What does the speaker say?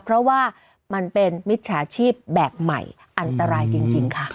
เพราะว่ามันเป็นมิจฉาชีพแบบใหม่อันตรายจริงค่ะ